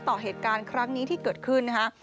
ต่อเหตุการณ์ครั้งนี้ที่เกิดขึ้นนะฮะ